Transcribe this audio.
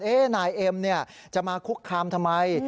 นายเอ็มจะมาคุกคามทำไม